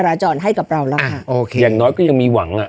ระจ่อนให้กับเราแล้วค่ะอย่างน้อยก็ยังมีหวัง